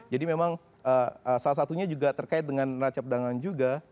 jadi memang salah satunya juga terkait dengan neracap dagangan juga